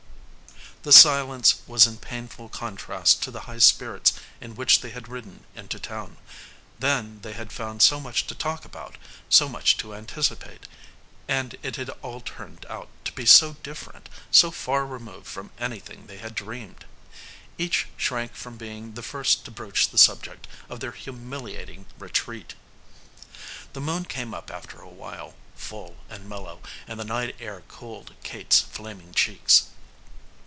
The silence was in painful contrast to the high spirits in which they had ridden into town. Then, they had found so much to talk about, so much to anticipate and it had all turned out to be so different, so far removed from anything they had dreamed. Each shrank from being the first to broach the subject of their humiliating retreat. The moon came up after a while, full and mellow, and the night air cooled Kate's flaming cheeks.